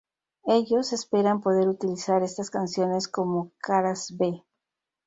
Ellos esperan poder utilizar estas canciones como caras-b.